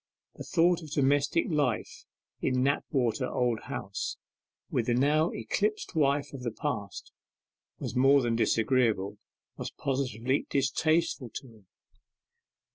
The thought of domestic life in Knapwater Old House, with the now eclipsed wife of the past, was more than disagreeable, was positively distasteful to him.